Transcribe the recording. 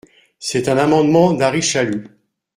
C’est un amendement d’Ary Chalus.